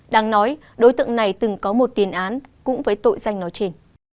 đáng nói đối tượng này từng có một tiền án cũng với tội danh nói trên